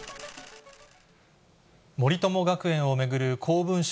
森友学園を巡る公文書